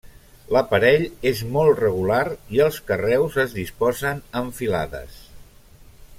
L'aparell és molt regular i els carreus es disposen en filades.